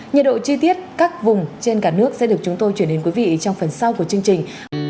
nhiệt độ chi tiết các vùng trên cả nước sẽ được chúng tôi chuyển đến quý vị trong phần sau của chương trình